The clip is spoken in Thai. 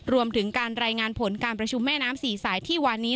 รวมถึงการรายงานผลการประชุมแม่น้ำสี่สายที่วันนี้